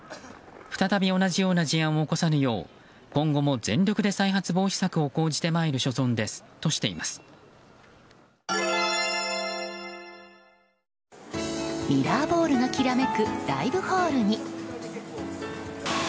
再び同じような事案を起こさぬよう今後も全力で再発防止策を講じてまいる所存ですとミラーボールがきらめくライブホールに。